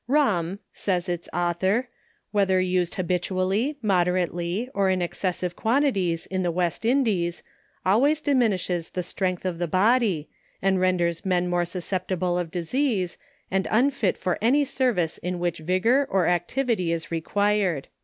« Rum (says this author) whether used habitually, moderately, or in excessive quantities in the West Indies, always diminish es the strength of the body, and renders men more sus ceptible of disease, and unfit for any service in which vigor or activity is required."